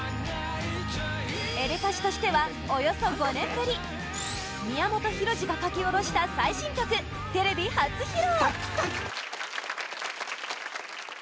エレカシとしてはおよそ５年ぶり宮本浩次が書き下ろした最新曲テレビ初披露！